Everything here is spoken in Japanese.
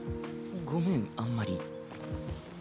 ごめんあんまり。